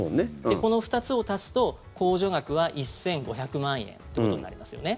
この２つを足すと控除額は１５００万円ということになりますよね。